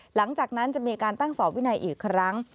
หลังจากนั้นจะมีการตั้งสอบวินัยอีกครั้ง